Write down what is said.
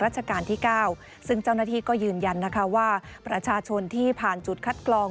เจ้าหน้าที่ก็ยืนยันนะคะว่าประชาชนที่ผ่านจุดคัดกลอง